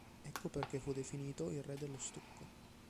Ecco perché fu definito il re dello stucco”.